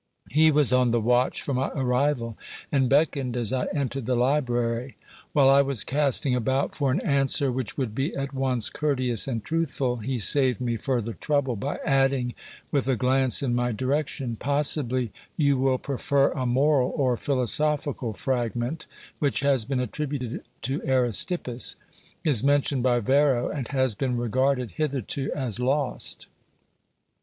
He was on the watch for my arrival, and beckoned as I entered the library. While I was casting about for an answer which would be at once courteous and truthful, he saved me further trouble by adding, with a glance in my direction : Possibly you will prefer a moral or philosophical fragment which has been attributed to Aristippus, is mentioned by Varro, and has been regarded hitherto as lost.